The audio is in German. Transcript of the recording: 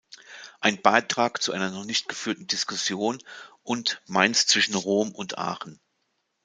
Ein Beitrag zu einer noch nicht geführten Diskussion" und "Mainz zwischen Rom und Aachen.